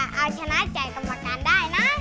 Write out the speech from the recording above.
เอาชนะใจกรรมการได้นะ